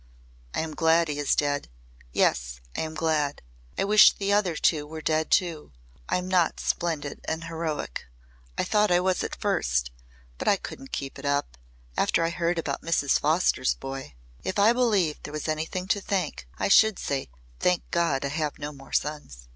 I am glad he is dead. Yes, I am glad. I wish the other two were dead too. I'm not splendid and heroic. I thought I was at first, but I couldn't keep it up after I heard about Mrs. Foster's boy. If I believed there was anything to thank, I should say 'Thank God I have no more sons.'"